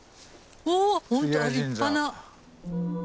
おっ本当立派な。